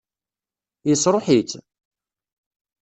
Yesṛuḥ-itt?